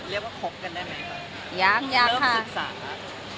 เรียกว่าคบกันได้ไหมค่ะ